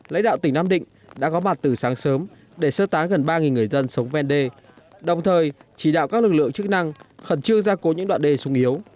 lãnh đạo tỉnh nam định đã có bạt từ sáng sớm để sơ tá gần ba người dân sống ven đê đồng thời chỉ đạo các lực lượng chức năng khẩn trương ra cố những đoạn đê xuống yếu